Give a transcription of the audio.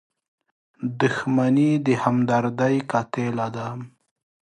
• دښمني د همدردۍ قاتله ده.